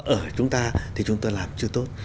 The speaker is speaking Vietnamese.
ở chúng ta thì chúng ta làm chưa tốt